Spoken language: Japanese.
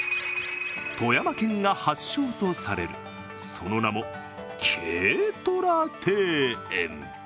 富山県が発祥とされるその名も軽トラ庭園。